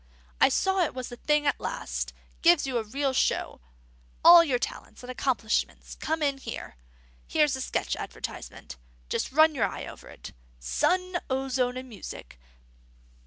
I saw it was the thing at last; gives you a real show. All your talents and accomplishments come in. Here's a sketch advertisement. Just run your eye over it. 'Sun, Ozone, and Music!